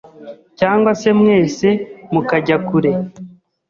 cyangwa se mwese mukajya kure